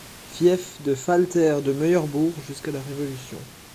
Fief de Valter de Meuerbourg jusqu’à la Révolution.